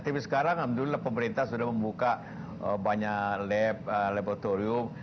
tapi sekarang alhamdulillah pemerintah sudah membuka banyak lab laboratorium